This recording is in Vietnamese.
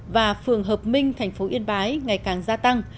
và phường hợp minh thành phố yên bái ngày càng gia tăng